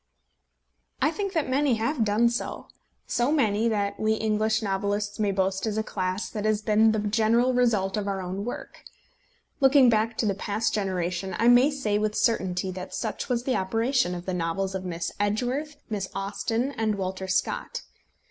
I think that many have done so; so many that we English novelists may boast as a class that such has been the general result of our own work. Looking back to the past generation, I may say with certainty that such was the operation of the novels of Miss Edgeworth, Miss Austen, and Walter Scott.